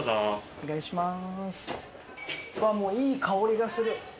お願いします。